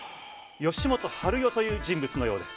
吉本春代という人物のようです。